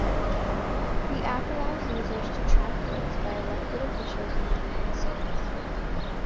The app allows users to track votes by elected officials in the United States.